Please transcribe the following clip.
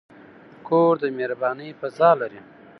کور د مهربانۍ فضاء لري.